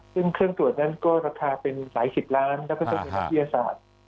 ซึ่งเครื่องตรวจนั้นก็ราคาเป็นหลายสิบล้านแล้วก็จะมีนักวิทยาศาสตร์